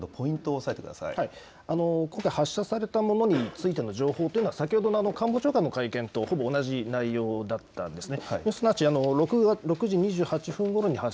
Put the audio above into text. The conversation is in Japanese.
浜田防衛大臣の会見がありましたけれども、ポイントを押さえてく今回発射されたものについての情報というのは先ほどの官房長官の会見とほぼ同じ内容だったんですね。